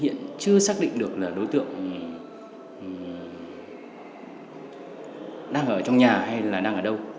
hiện chưa xác định được là đối tượng đang ở trong nhà hay là đang ở đâu